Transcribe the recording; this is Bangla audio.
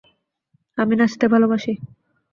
আমি নাচতে ভালোবাসি।